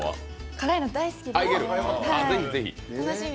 辛いの大好きです楽しみ。